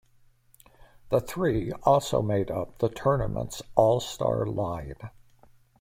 The three also made up the tournament's all-star line.